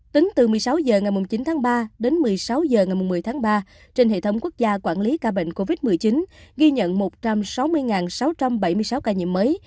tính từ một mươi sáu h ngày chín tháng ba đến một mươi sáu h ngày một mươi tháng ba trên hệ thống quốc gia quản lý ca bệnh covid một mươi chín ghi nhận một trăm sáu mươi sáu trăm bảy mươi sáu ca nhiễm mới